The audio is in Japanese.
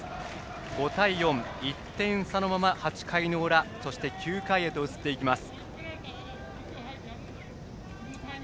１点差のまま８回の裏そして９回へと移っていきます。